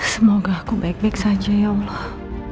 semoga aku baik baik saja ya allah